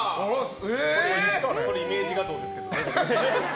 これはイメージ画像ですけど。